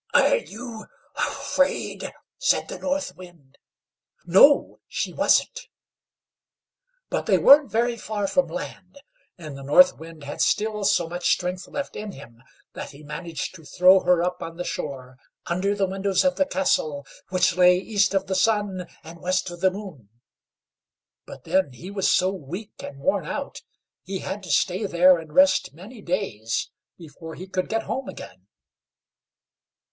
"Are you afraid?" said the North Wind. "No!" she wasn't. But they weren't very far from land; and the North Wind had still so much strength left in him that he managed to throw her up on the shore under the windows of the castle which lay East of the Sun and West of the Moon; but then he was so weak and worn out, he had to stay there and rest many days before he could get home again.